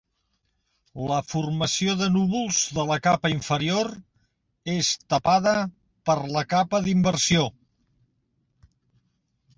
La formació de núvols de la capa inferior és "tapada" per la capa d'inversió.